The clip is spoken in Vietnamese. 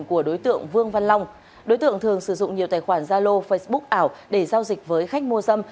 của đối tượng vương văn long đối tượng thường sử dụng nhiều tài khoản zalo facebook ảo để giao dịch với khách mua dâm